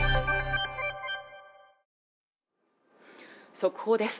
速報です